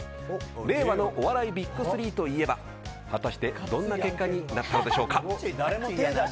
令和のお笑いＢＩＧ３といえば果たしてどんな結果になったんでしょうか。